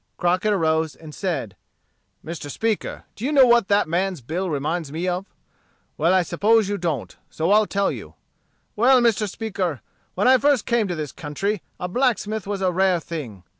Crockett arose and said: "Mr. Speaker: Do you know what that man's bill reminds me of? Well, I s'pose you don't, so I'll tell you. Well, Mr. Speaker, when I first came to this country a blacksmith was a rare thing.